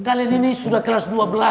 kalian ini sudah kelas dua belas